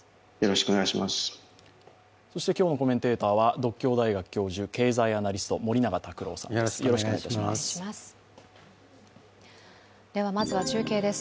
そして今日のコメンテーターは独協大学、経済アナリストの森永卓郎さんです。